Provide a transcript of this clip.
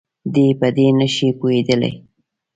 دی په دې نه شي پوهېدلی.